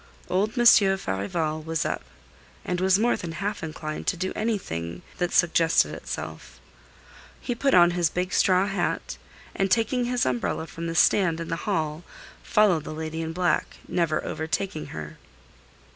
Old Monsieur Farival was up, and was more than half inclined to do anything that suggested itself. He put on his big straw hat, and taking his umbrella from the stand in the hall, followed the lady in black, never overtaking her.